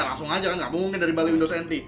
langsung aja kan nggak mungkin dari bali windows city